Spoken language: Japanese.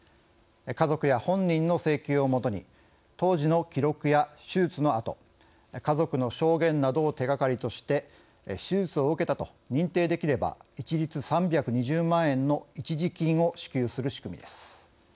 家族や本人の請求を基に当時の記録や手術の痕家族の証言などを手がかりとして手術を受けたと認定できれば一律３２０万円の一時金を支給する仕組みです。